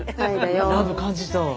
ラブ感じたわ。